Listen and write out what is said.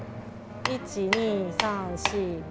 １、２、３、４、５。